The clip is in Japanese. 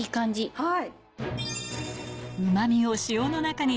はい。